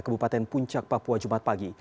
kebupaten puncak papua jumat pagi